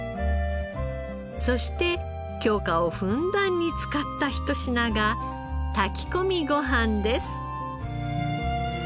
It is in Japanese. そして京香をふんだんに使ったひと品が炊き込みご飯です。